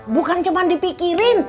bukan cuma dipikirin